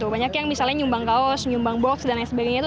banyak yang misalnya nyumbang kaos nyumbang box dan lain sebagainya itu